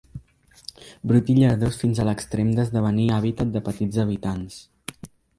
Brut i llardós fins a l'extrem d'esdevenir hàbitat de petits habitants.